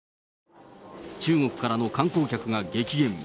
中国からの観光客が激減。